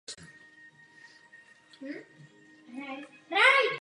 Esprit tak nahradil řadu Europa.